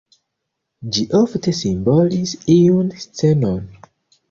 Ĝi ofte simbolis iun scenon.